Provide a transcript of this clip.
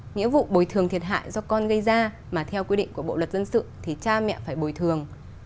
nghĩa vụ bồi thường thiệt hại do con gây ra mà theo quy định của bộ luật dân sự thì cha mẹ phải bồi thường